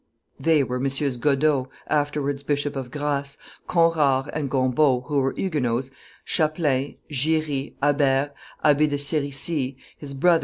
[They were MM. Godeau, afterwards Bishop of Grasse, Conrart and Gombault who were Huguenots, Chapelain, Giry, Habert, Abbe de Cerisy, his brother, M.